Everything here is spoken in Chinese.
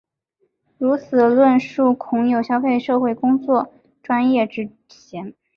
如此的论述恐有消费社会工作专业之嫌。